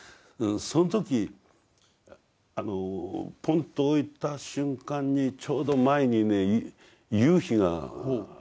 その時ポンと置いた瞬間にちょうど前にね夕日があった。